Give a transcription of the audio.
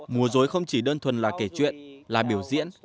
mùa dối không chỉ đơn thuần là kể chuyện là biểu diễn